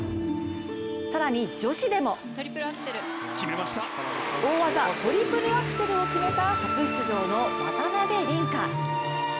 更に、女子でも大技トリプルアクセルを決めた初出場の渡辺倫果。